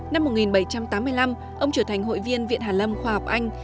năm một nghìn bảy trăm tám mươi năm ông trở thành hội viên viện hà lâm khoa học anh